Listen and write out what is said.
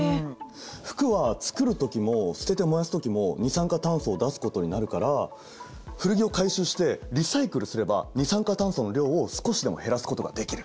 服は作る時も捨てて燃やす時も二酸化炭素を出すことになるから古着を回収してリサイクルすれば二酸化炭素の量を少しでも減らすことができる。